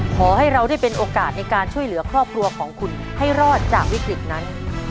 ขอให้เราได้เป็นโอกาสในการช่วยเหลือครอบครัวของคุณให้รอดจากวิกฤตนั้น